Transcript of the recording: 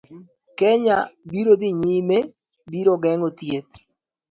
Kenya biro dhi nyime, biro geng'o thieth